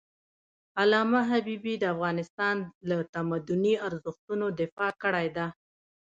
علامه حبيبي د افغانستان له تمدني ارزښتونو دفاع کړی ده.